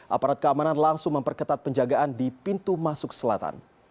aparat keamanan langsung memperketat penjagaan di pintu masuk selatan